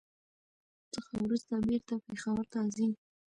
څخه ورورسته بېرته پېښور ته ځي.